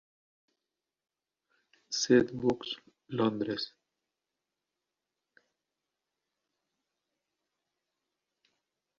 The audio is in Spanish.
Zed Books, Londres.